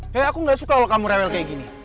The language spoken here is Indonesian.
kayaknya aku gak suka kalau kamu rewel kayak gini